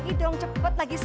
gue perasan banget sih